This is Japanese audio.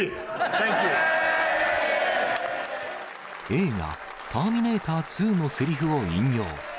映画、ターミネーター２のせりふを引用。